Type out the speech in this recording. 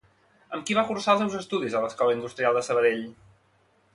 Amb qui va cursar els seus estudis a l'Escola Industrial de Sabadell?